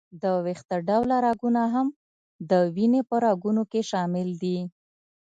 د وېښته ډوله رګونه هم د وینې په رګونو کې شامل دي.